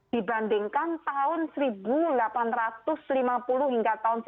dibandingkan tahun seribu delapan ratus lima puluh hingga tahun seribu sembilan ratus